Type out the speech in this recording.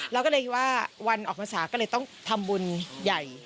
เราก็เลยคิดว่าวันออกพรรษาก็เลยต้องทำบุญใหญ่